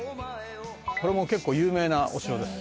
「これも結構有名なお城です」